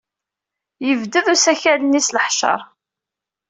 Yebded usakal-nni s leḥceṛ.